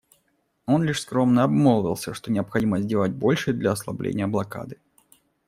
Он лишь скромно обмолвился, что необходимо сделать больше для ослабления блокады.